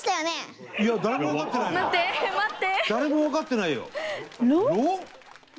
誰もわかってないよ。